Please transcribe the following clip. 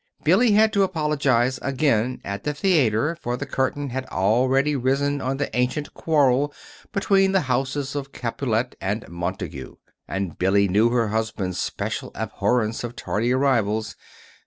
Billy had to apologize again at the theater, for the curtain had already risen on the ancient quarrel between the houses of Capulet and Montague, and Billy knew her husband's special abhorrence of tardy arrivals.